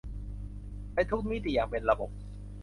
ในทุกมิติอย่างเป็นระบบ